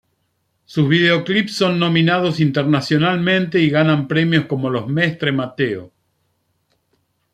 Sus videoclips son nominados internacionalmente y ganan premios como los Mestre Mateo.